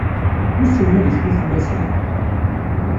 Wissen ma ad icfu fell-asen?